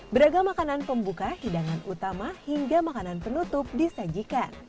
beragam makanan pembuka hidangan utama hingga makanan penutup disajikan